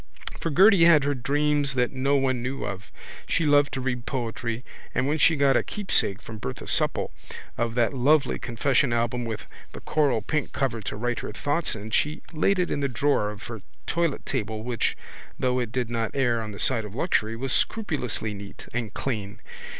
For Gerty had her dreams that no one knew of. She loved to read poetry and when she got a keepsake from Bertha Supple of that lovely confession album with the coralpink cover to write her thoughts in she laid it in the drawer of her toilettable which, though it did not err on the side of luxury, was scrupulously neat and clean.